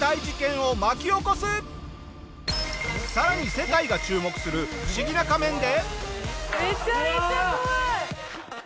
更に世界が注目する不思議な仮面で。